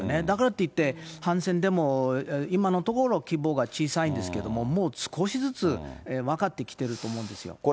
だからといって、反戦デモ、今のところ規模が小さいんですけれども、もう少しずつ分かってきてると思うんですよ。